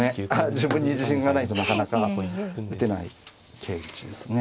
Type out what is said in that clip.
自分に自信がないとなかなか打てない桂打ちですね。